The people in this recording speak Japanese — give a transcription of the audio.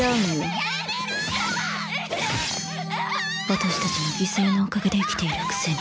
私たちの犠牲のおかげで生きているくせに。